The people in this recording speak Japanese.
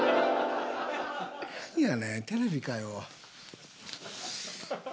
なんやねんテレビかよ。